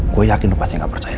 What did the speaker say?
gua yakin lu pasti gak percaya